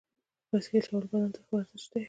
بایسکل چلول بدن ته ښه ورزش دی.